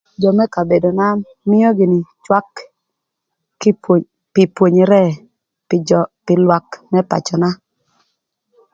Jö më kabedona mïö gïnï cwak pï pwonyere pï jö pï lwak më pacöna.